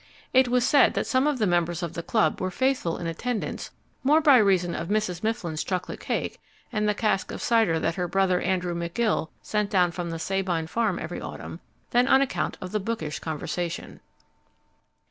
It was said that some of the members of the club were faithful in attendance more by reason of Mrs. Mifflin's chocolate cake, and the cask of cider that her brother Andrew McGill sent down from the Sabine Farm every autumn, than on account of the bookish conversation.